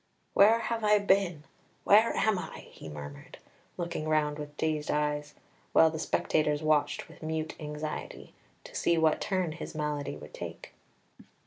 "Where have I been? Where am I?" he murmured, looking round with dazed eyes, while the spectators watched with mute anxiety, to see what turn his malady would take.